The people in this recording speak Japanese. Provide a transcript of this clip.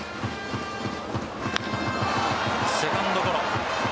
セカンドゴロ。